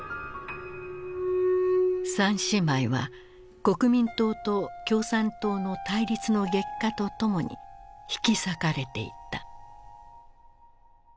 三姉妹は国民党と共産党の対立の激化とともに引き裂かれていった。